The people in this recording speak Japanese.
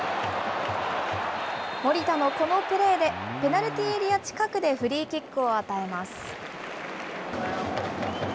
守田のこのプレーで、ペナルティーエリア近くでフリーキックを与えます。